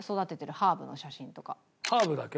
ハーブだけ？